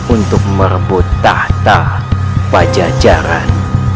untuk merebut tahta pajajaran